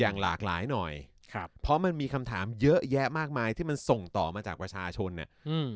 อย่างหลากหลายหน่อยครับเพราะมันมีคำถามเยอะแยะมากมายที่มันส่งต่อมาจากประชาชนอ่ะอืม